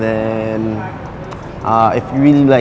แต่ฉันไม่ได้